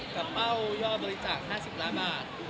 กับเป้ายอบบริจาค๕๐ล้าบาท